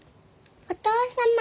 お父様。